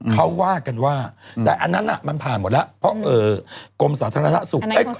เขาว่ากันว่าแต่อันนั้นมันผ่านหมดแล้วเพราะกรมสาธารณสุข